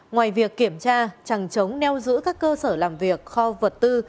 ngoài việc kiểm tra chẳng chống neo giữ các cơ sở làm việc kho vật tư